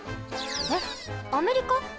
えっアメリカ？